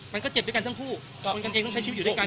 มันก็เจ็บด้วยกันทั้งคู่คนกันเองต้องใช้ชีวิตอยู่ด้วยกัน